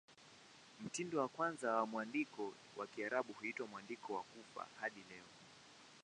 Mtindo wa kwanza wa mwandiko wa Kiarabu huitwa "Mwandiko wa Kufa" hadi leo.